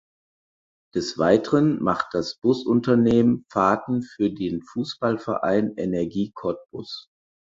Des Weiteren macht das Busunternehmen Fahrten für den Fußballverein Energie Cottbus.